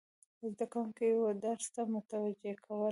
زده کوونکي و درس ته متوجه کول،